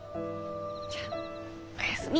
じゃあおやすみ。